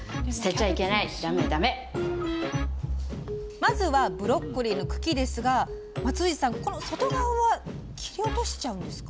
まずはブロッコリーの茎ですが松藤さん外側は切り落としちゃうんですか？